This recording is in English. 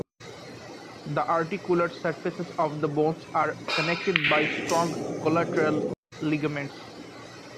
The articular surfaces of the bones are connected by strong collateral ligaments.